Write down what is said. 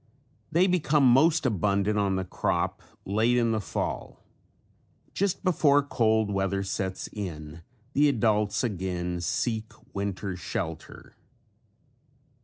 They become most abundant on the crop late in the fall. Just before cold weather sets in the adults again seek winter shelter.